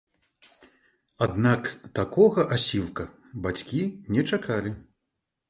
Аднак такога асілка бацькі не чакалі.